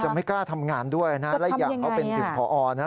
ไม่กล้าทำงานด้วยนะและอีกอย่างเขาเป็นถึงพอนะ